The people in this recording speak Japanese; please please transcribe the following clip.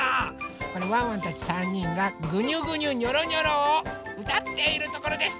これワンワンたち３にんが「ぐにゅぐにゅにょろにょろ」をうたっているところです。